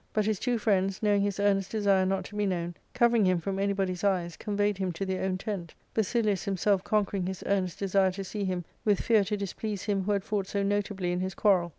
But his two friends, knowing his earnest desire not to be known, covering him from anybody's eyes, conveyed him to their own tent ; Basilius himself conquering his earnest desire to see him with fear to displease him who had fought so notably in his quarrel.